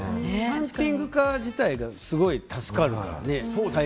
キャンピングカー自体がすごい助かるからね